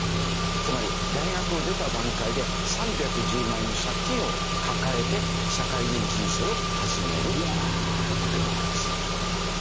つまり大学を出た段階で３１０万円の借金を抱えて社会人人生を始めるっていうわけです。